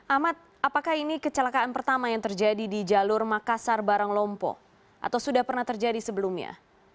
ahmad apakah ini kecelakaan pertama yang terjadi di jalur makassar baranglompo atau sudah pernah terjadi sebelumnya